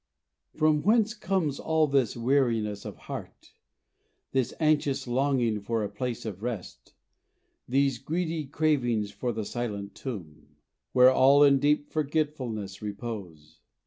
_ From whence comes all this weariness of heart, This anxious longing for a place of rest, These greedy cravings for the silent tomb, Where all in deep forgetfulness repose?